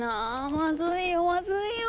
まずいよまずいよ。